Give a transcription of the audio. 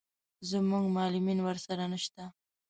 زموږ معلمین ورسره نه شته.